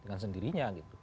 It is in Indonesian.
dengan sendirinya gitu